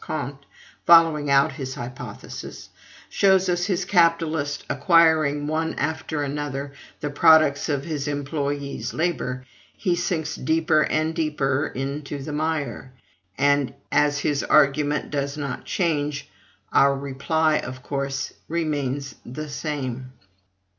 Comte following out his hypothesis shows us his capitalist acquiring one after another the products of his employees' labor, he sinks deeper and deeper into the mire; and, as his argument does not change, our reply of course remains the same.